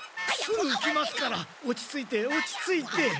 すぐ来ますから落ち着いて落ち着いて。